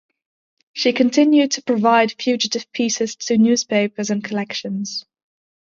She continued to provide fugitive pieces to newspapers and collections.